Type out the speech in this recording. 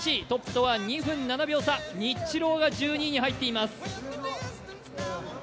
トップとは２分７秒差、ニッチロー’が１２位に入っています。